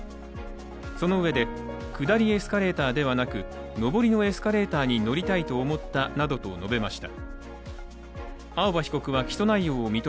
そのうえで、下りエスカレーターではなく上りのエスカレーターに乗りたいと思ったなどと述べました。